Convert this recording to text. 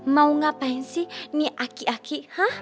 mau ngapain sih ini aki akiah